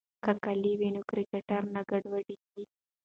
که کالي وي نو کرکټر نه ګډوډیږي.